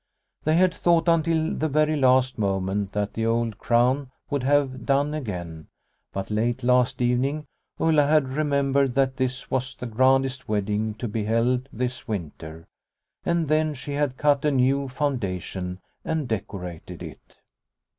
They had thought until the very last moment that the old crown would have done again, but late last evening Ulla had remembered that this was the grandest wedding to be held this winter, and then she had cut a new foundation and decor ated it.